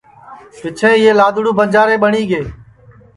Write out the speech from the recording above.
پیچھیں یہ لادڑوُ بنجارے ٻٹؔی گے